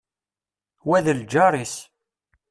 Wa d lǧar-is.